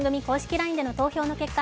ＬＩＮＥでの投票の結果